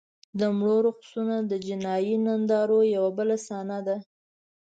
د مړو رقصونه د جنایي نندارو یوه بله صحنه ده.